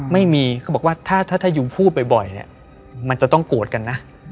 ไม่มีเขาบอกว่าถ้ายุงพูดบ่อยเนี่ยมันจะต้องโกรธกันนะ